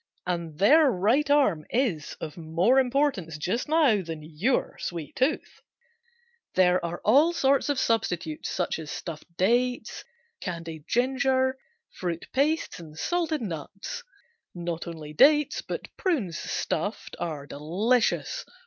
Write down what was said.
And their right arm is of more importance just now than your sweet tooth. There are all sorts of substitutes such as stuffed dates, candied ginger, fruit pastes and salted nuts. Not only dates, but prunes, stuffed, are delicious.